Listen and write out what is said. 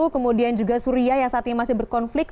kemudian juga suria yang saat ini masih berkonflik